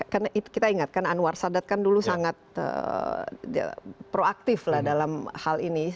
karena kita ingatkan anwar sadat kan dulu sangat proaktif dalam hal ini